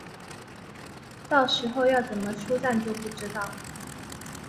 到时候要怎么出站就不知道